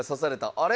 あれ？